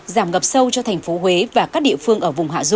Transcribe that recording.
giảm ngập sâu cho thành phố huế